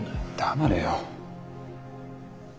黙れよ。